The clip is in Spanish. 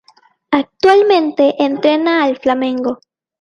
Actualmente, entrena al Flamengo.